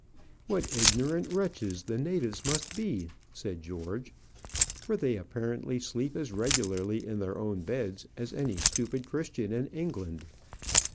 "What ignorant wretches the natives must be!" said George; "for they apparently sleep as regularly in their own beds as any stupid Christian in England."